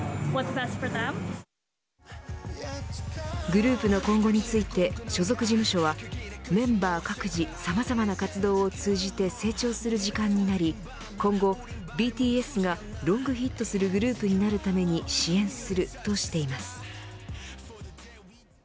グループの今後について所属事務所はメンバー各自さまざまな活動を通じて成長する時間になり今後、ＢＴＳがロングヒットをするグループになるために支援するとしています。